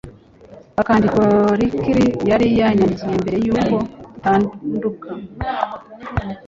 akandiko Ricky yari yanyandikiye mbere yuko dutanduka